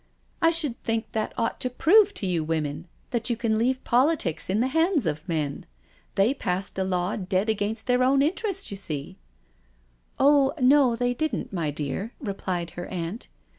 I should think that ought to prove to you women that you can leave politics in the hands of men. They passed a law dead against their own interest, you seel" " Oh no, they didn't, my dear," replied her aunt.